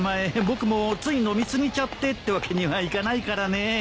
僕もつい飲み過ぎちゃってってわけにはいかないからね。